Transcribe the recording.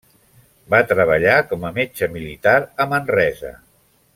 Va treballar com a metge militar a Manresa.